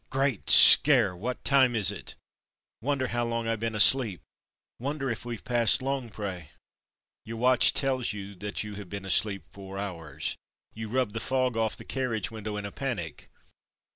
Great scare! What time is it.? Wonder how long I've been asleep; wonder if weVe passed Longpre. Your watch tells you that you have been asleep four hours. You rub the fog off the carriage window in a panic.